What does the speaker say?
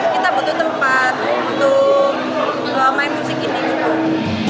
kita butuh tempat untuk main musik ini juga